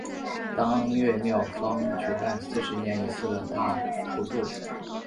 当月庙方举行四十年一次的大普度。